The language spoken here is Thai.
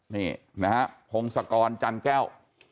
นี่นะฮะพงศกรจันแก้ว